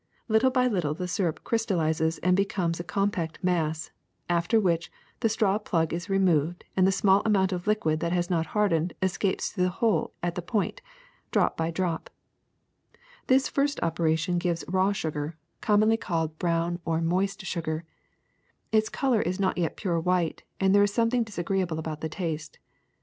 Little by little the syrup crystallizes and becomes a compact mass, after which the straw plug is removed and the small amount of liquid that has not hardened escapes through the hole at the point, drop by drop. This first operation gives raw sugar, commonly called Sngar Cane a, part of the inflorescence; b, a Bpikelet. 184 THE SECRET OF EVERYDAY THINGS brown or moist sugar. Its color is not yet pure white, and there is something disagreeable about the taste.